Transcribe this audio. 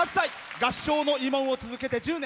合唱の慰問を続けて１０年。